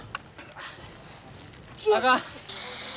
あかん。